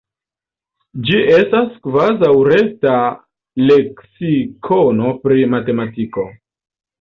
Ĝi estas kvazaŭ reta leksikono pri matematiko.